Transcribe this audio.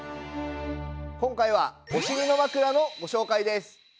今回はお尻のまくらのご紹介です！